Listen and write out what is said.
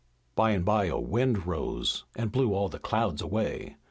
By and by a wind rose and blew all the clouds away.